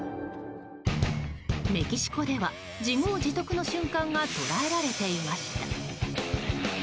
メキシコでは自業自得の瞬間が捉えられていました。